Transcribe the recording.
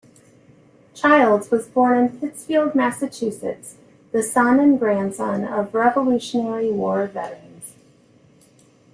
Childs was born in Pittsfield, Massachusetts, the son and grandson of Revolutionary War veterans.